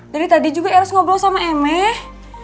dari tadi juga eras ngobrol sama emeh